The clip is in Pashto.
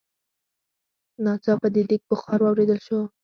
ناڅاپه د ديګ بخار واورېدل شو.